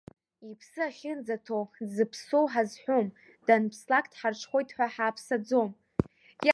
Иԥсы ахьынӡаҭоу дзыԥсоу ҳазҳәом, данԥслак дҳарҽхәоит ҳәа ҳааԥсаӡом.